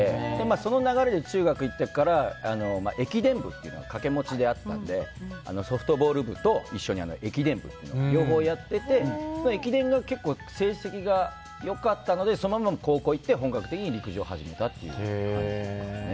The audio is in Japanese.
その流れで中学行ってから駅伝部というのが掛け持ちであったのでソフトボール部と一緒に駅伝部っていうのを両方やっててその駅伝が結構、成績が良かったのでそのまま高校に行って本格的に陸上を始めたという感じですね。